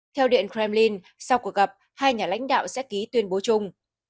theo điện kremlin sau cuộc gặp hai nhà lãnh đạo sẽ ký tuyên bố chung